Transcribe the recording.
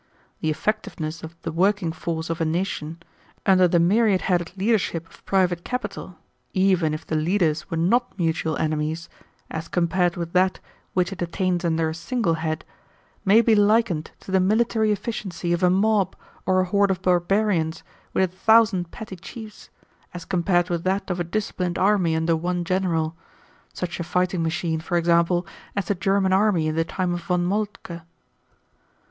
The effectiveness of the working force of a nation, under the myriad headed leadership of private capital, even if the leaders were not mutual enemies, as compared with that which it attains under a single head, may be likened to the military efficiency of a mob, or a horde of barbarians with a thousand petty chiefs, as compared with that of a disciplined army under one general such a fighting machine, for example, as the German army in the time of Von Moltke."